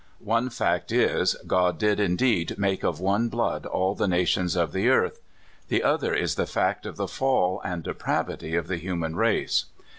One fact is, God did indeed make of one blood all the nations of the earth ; the other is the fact of the fall and depravity of the human race.